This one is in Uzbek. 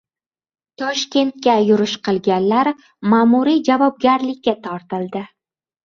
Toshkentga «yurish qilgan»lar ma’muriy javobgarlikka tortildi